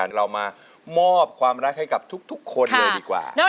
ด้านล่างเขาก็มีความรักให้กันนั่งหน้าตาชื่นบานมากเลยนะคะ